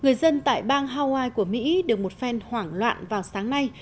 người dân tại bang hawaii của mỹ được một phen hoảng loạn vào sáng nay